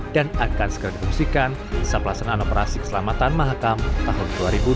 dan akan sekaligus dikonsumsikan sepelasana operasi keselamatan mahakam tahun dua ribu dua puluh tiga